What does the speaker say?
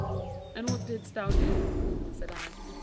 'And what didst thou do?' said I.